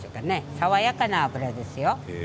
爽やかな脂です。